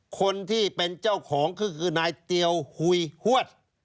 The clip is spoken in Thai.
คนที่เป็นเจ้าของก็คือนายเตียวหุยฮวด